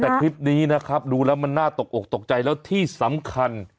แต่คลิปนี้นะครับดูแล้วมันน่าตกอกตกใจแล้วที่สำคัญ